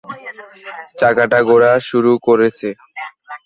চাকাটা ঘোরা শুরু করেছে।